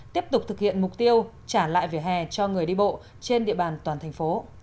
tiếp tục thực hiện mục tiêu trả lại vỉa hè cho người đi bộ trên địa bàn toàn thành phố